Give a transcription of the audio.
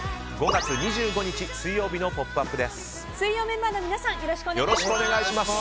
５月２５日、水曜日の「ポップＵＰ！」です。